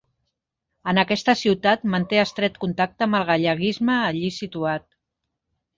En aquesta ciutat manté estret contacte amb el galleguisme allí situat.